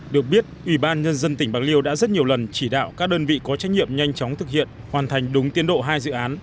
được biết ủy ban nhân dân tỉnh bạc liêu đã rất nhiều lần chỉ đạo các đơn vị có trách nhiệm nhanh chóng thực hiện hoàn thành đúng tiến độ hai dự án